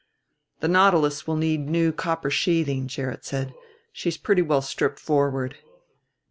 "The Nautilus will need new copper sheathing," Gerrit said: "she's pretty well stripped forward."